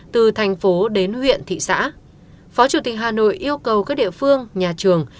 từ thành phố đến huyện thị xã phó chủ tịch hà nội yêu cầu các địa phương nhà trường